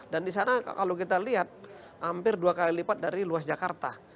dan disana kalau kita lihat hampir dua kali lipat dari luas jakarta